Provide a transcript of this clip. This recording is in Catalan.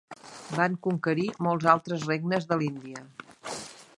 Van conquerir molts altres regnes de l'Índia.